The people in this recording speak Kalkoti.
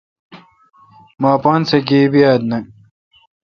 مہ اپاسہ گیب ای نہ۔